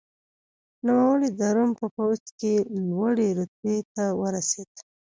نوموړی د روم په پوځ کې لوړې رتبې ته ورسېد.